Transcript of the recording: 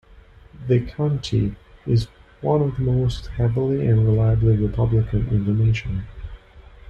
The county is one of the most heavily and reliably Republican in the nation.